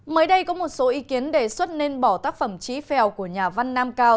mới đây có một số ý kiến đề xuất nên bỏ tác phẩm trí phèo của nhà văn nam cao